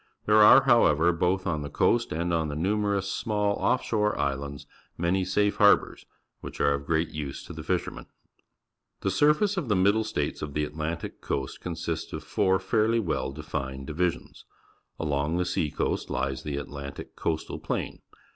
There are, however, both on the coast and on the numerous small oflf shore islands, manj^ safe harbours, which are of great use to the fishermen. 128 PUBLIC SCHOOL GEOGRAPHY The surface of the Middle States of the Atlantic Coast consists of four fairly well defined divisions. Along the sea coast lies the 'Ailantic Coastal Plain.